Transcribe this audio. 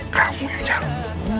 kamu yang jarmuk